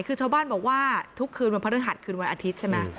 คือชาวบ้านบอกว่าทุกคืนวันพระฤหัสคืนวันอาทิตย์ใช่ไหม